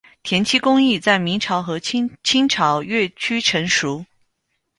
填漆工艺在明朝和清朝越趋成熟。